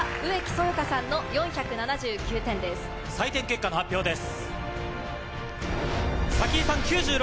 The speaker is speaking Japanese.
採点結果の発表です。